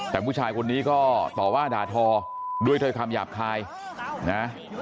แต่ผู้ชายคนนี้ก็ต่อว่าด่าทอด้วยถ้อยคำหยาบคายนะ